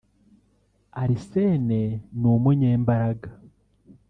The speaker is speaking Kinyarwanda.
Arsène ni umunyembaraga